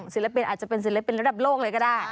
ศิลปินอาจจะเป็นศิลปินระดับโลกเลยก็ได้